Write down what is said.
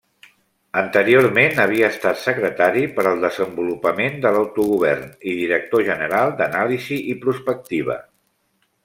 Anteriorment havia estat secretari per al Desenvolupament de l'Autogovern i director general d'Anàlisi i Prospectiva.